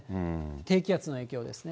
低気圧の影響ですね。